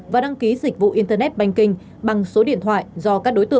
và đăng ký dịch vụ internet banking bằng số điện thoại